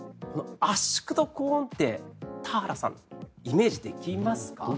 圧縮と高温って田原さんイメージできますか？